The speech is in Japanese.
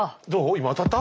今当たった？